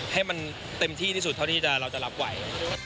ให้มันเต็มที่ที่สุดเท่าที่เราจะรับไหว